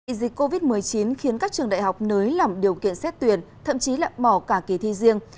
y dịch covid một mươi chín khiến các trường đại học nới lỏng điều kiện xét tuyển thậm chí là bỏ cả kỳ thi riêng